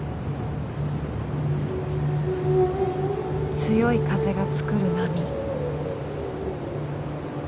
強い風が作る波。